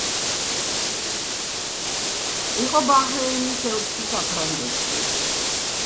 იყო ბაჰრეინის ელჩი საფრანგეთში.